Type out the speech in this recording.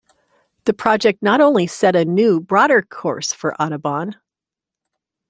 The project not only set a new, broader course for Audubon.